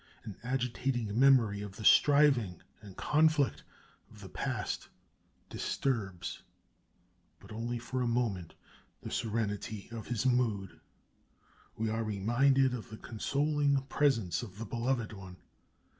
An agitating memory of the striving and conflict of the past disturbs, but only for a moment, the serenity of his mood. We are reminded of the consoling presence of the beloved one.